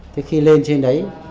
thế khi lên trên đấy